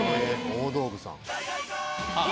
大道具さん。